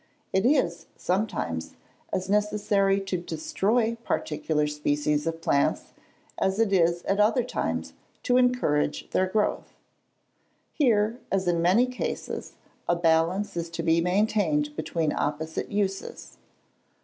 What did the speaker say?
It is, sometimes, as necessary to destroy particular species of plants, as it is, at other times, to encourage their growth. Here, as in many cases, a balance is to be maintained between opposite uses.